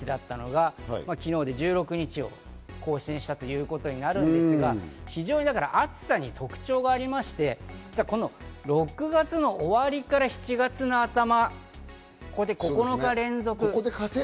東京、今まで１３日だったところが、昨日で１６日を更新したということになるんですが、非常に暑さに特徴がありまして、この６月の終わりから７月の頭、９日連続。